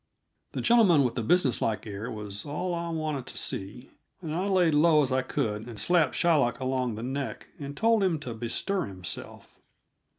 The gentleman with the businesslike air was all I wanted to see, and I laid low as I could and slapped Shylock along the neck, and told him to bestir himself.